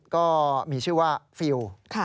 ก็มีชื่อว่าฟิล